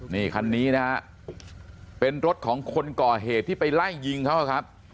นี่คันนี้นะฮะเป็นรถของคนก่อเหตุที่ไปไล่ยิงเขาครับ